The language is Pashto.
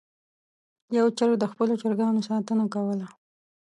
یو چرګ د خپلو چرګانو ساتنه کوله.